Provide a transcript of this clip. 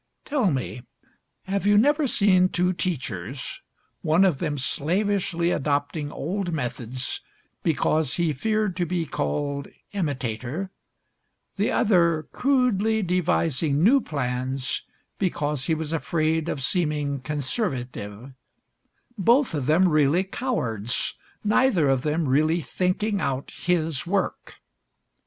Tell me, have you never seen two teachers, one of them slavishly adopting old methods because he feared to be called "imitator," the other crudely devising new plans because he was afraid of seeming conservative, both of them really cowards, neither of them really thinking out his work?